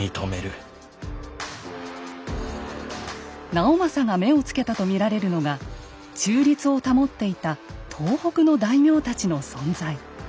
直政が目をつけたと見られるのが中立を保っていた東北の大名たちの存在。